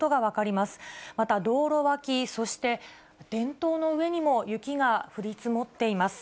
また道路脇、そして電灯の上にも雪が降り積もっています。